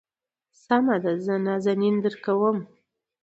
سمه ده زه نازنين درکوم.